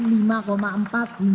menurunkan angka kemiskinan